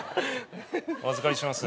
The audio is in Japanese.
お預かりします。